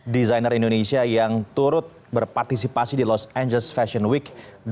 desainer indonesia yang turut berpartisipasi di los angeles fashion week dua ribu dua puluh